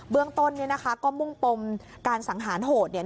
เรื่องต้นเนี่ยนะคะก็มุ่งปมการสังหารโหดเนี่ย